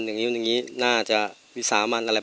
พูดถึงโจรครับ